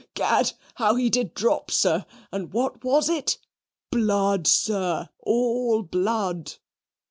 Gad, how he did drop, sir, and what was it? Blood, sir, all blood."